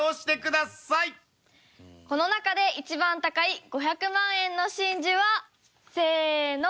この中で一番高い５００万円の真珠はせーの。